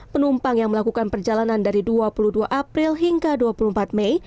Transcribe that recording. penumpang yang melakukan perjalanan dari dua puluh dua april hingga dua puluh empat mei